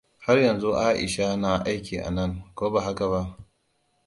Har yanzu Aisha na aiki anan, ko ba haka ba?